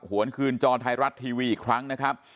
วนคืนจอไทยรัฐทีวีอีกครั้งนะครับ